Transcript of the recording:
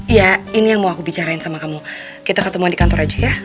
iya ini yang mau aku bicarain sama kamu kita ketemuan di kantor aja ya